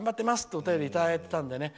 お便りをいただいてたのでね。